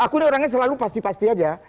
aku nih orangnya selalu pasti pasti aja